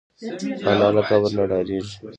انا له قبر نه ډارېږي